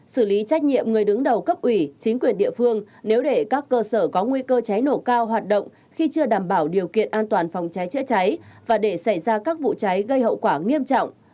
xử lý trách nhiệm người đứng đầu cấp ủy chính quyền địa phương nếu để các cơ sở có nguy cơ cháy nổ cao hoạt động khi chưa đảm bảo điều kiện an toàn phòng cháy chữa cháy và để xảy ra các vụ cháy gây hậu quả nghiêm trọng